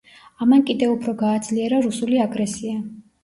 ამან კიდევ უფრო გააძლიერა რუსული აგრესია.